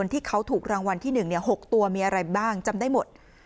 ที่เขาถูกรางวัลที่๑๖ตัวมีอะไรบ้างจำได้หมด